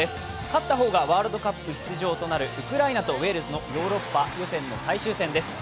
勝った方がワールドカップ出場となるウクライナとウェールズのヨーロッパ予選の最終戦です。